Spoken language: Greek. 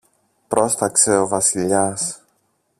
πρόσταξε ο Βασιλιάς.